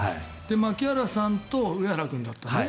槇原さんと上原君だったんだよね